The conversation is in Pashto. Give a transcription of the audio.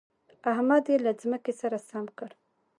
احمد يې له ځمکې سره سم کړ.